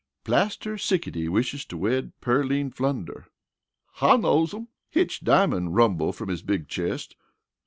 "Plaster Sickety wishes to wed Pearline Flunder." "I knows 'em," Hitch Diamond rumbled from his big chest.